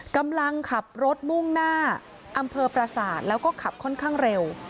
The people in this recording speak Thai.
กำลังขับรถมุ่งหน้าอำเภอประสาทแล้วก็ขับค่อนข้างเร็ว